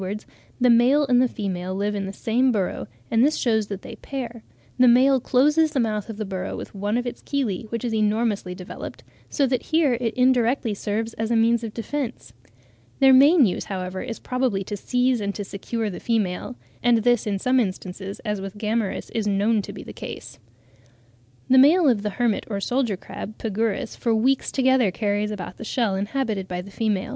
des Crust.' tom. ii. 1837, p. 50.), the male and the female live in the same burrow, and this shews that they pair; the male closes the mouth of the burrow with one of its chelae, which is enormously developed; so that here it indirectly serves as a means of defence. Their main use, however, is probably to seize and to secure the female, and this in some instances, as with Gammarus, is known to be the case. The male of the hermit or soldier crab (Pagurus) for weeks together, carries about the shell inhabited by the female. (12. Mr.